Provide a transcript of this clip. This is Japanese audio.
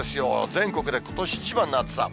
全国でことし一番の暑さ。